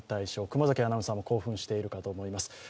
熊崎アナウンサーも興奮しているかと思います。